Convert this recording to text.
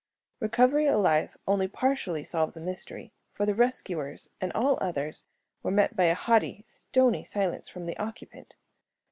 Recovery alive only partially solved the mystery, for the rescuers and all others were met by a haughty, stony silence from the occupant.